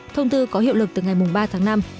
thông tư có hiệu lực từ ngày ba tháng năm